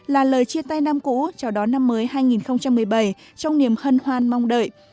là lời chia tay năm cũ chào đón năm mới hai nghìn một mươi bảy trong niềm hân hoan mong đợi